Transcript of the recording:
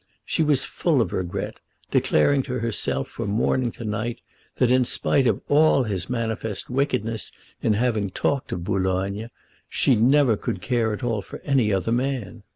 She was full of regret, declaring to herself from morning to night that, in spite of all his manifest wickedness in having talked of Boulogne, she never could care at all for any other man.